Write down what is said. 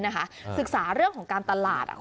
นี่คือเทคนิคการขาย